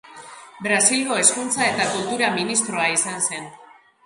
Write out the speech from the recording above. Brasilgo Hezkuntza eta Kultura ministroa izan zen.